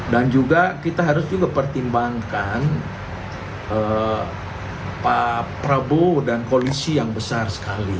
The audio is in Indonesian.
dan juga kita harus juga pertimbangkan pak prabowo dan koalisi yang besar sekali